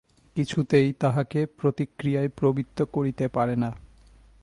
কিছুতেই তাঁহাকে প্রতিক্রিয়ায় প্রবৃত্ত করিতে পারে না।